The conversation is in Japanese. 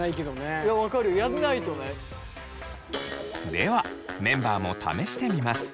ではメンバーも試してみます。